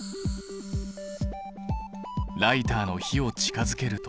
ライターの火を近づけると。